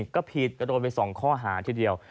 กระพีดกระโดนไปสองข้อหาทีเดียว